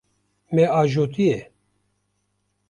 Me ajotiye.